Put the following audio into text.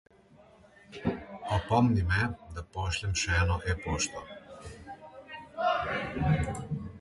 Opomni me, da pošljem še eno e-pošto.